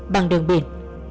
bằng đường biển